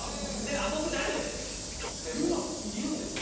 僕大丈夫です！ってもう言うんですよ。